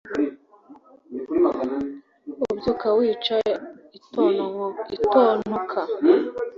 ubyuka wica gitontoka,